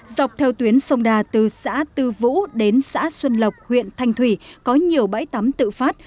dọc theo tuyến sông đà từ xã tư vũ đến xã xuân lộc huyện thanh thủy có nhiều bãi tắm tự phát